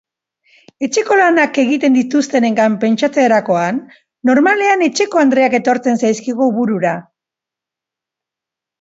Etxeko lanak egiten dituztenengan pentsatzerakoan, normalean etxeko andreak etortzen zaizkigu burura.